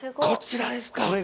こちらですか。